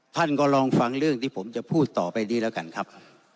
ท่านก็ลองฟังเรื่องที่ผมจะพูดต่อไปนี้แล้วกันครับ